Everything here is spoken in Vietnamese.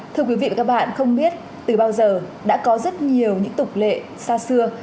thưa quý vị và các bạn không biết từ bao giờ đã có rất nhiều những tục lệ xa xưa